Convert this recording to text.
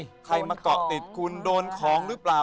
ใครมาเกาะติดคุณโดนของหรือเปล่า